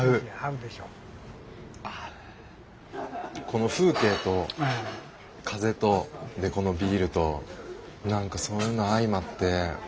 この風景と風とこのビールと何かそういうの相まって。